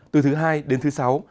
từ thứ hai đến thứ sáu